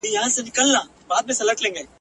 خو لا دي سره دي لاسونه دواړه !.